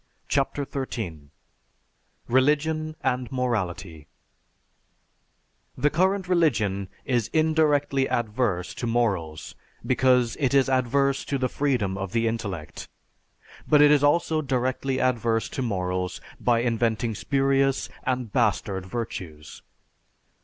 CHAPTER XIII RELIGION AND MORALITY _The current religion is indirectly adverse to morals, because it is adverse to the freedom of the intellect. But it is also directly adverse to morals by inventing spurious and bastard virtues.